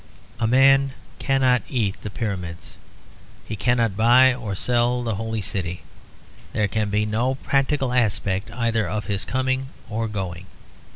A man cannot eat the Pyramids; he cannot buy or sell the Holy City; there can be no practical aspect either of his coming or going.